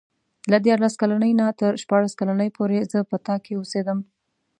له دیارلس کلنۍ نه تر شپاړس کلنۍ پورې زه په تا کې اوسېدم.